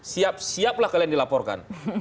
siap siaplah kalian dilaporkan